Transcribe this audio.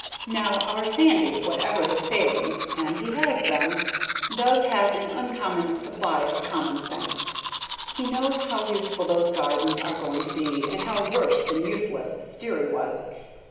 Now, our Sandy, whatever his failings (and he has them), does have an uncommon supply of common sense. He knows how useful those gardens are going to be, and how worse than useless Sterry was.